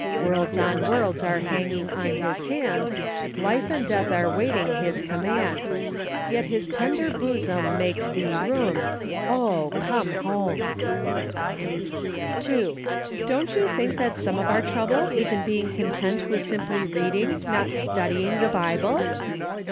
Worlds on worlds are hanging On His hand, Life and death are waiting His command ; Yet His tender bosom Makes thee room — Oh, come hornet" 2. Don't you think that some of our trouble is in being content with simply reading, not studying the Bible